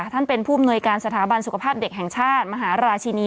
ท่านเป็นผู้อำนวยการสถาบันสุขภาพเด็กแห่งชาติมหาราชินี